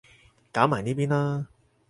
搞埋呢邊啦